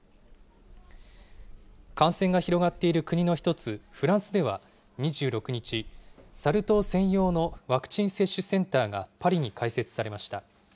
感染が広がっている国の一つ、フランスでは２６日、サル痘専用のワクチン接種センターがパリに開設されました。